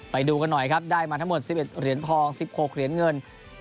ไปดูกันหน่อยครับได้มาทั้งหมด๑๑เหรียญทอง๑๖เหรียญเงิน